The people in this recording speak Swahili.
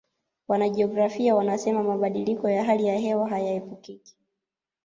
wanajiografia wanasema mabadiliko ya hali ya hewa hayaepukiki